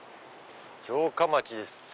城下町ですって。